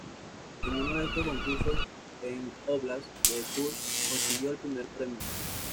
En uno de estos concursos en Óblast de Kursk consiguió el primer premio.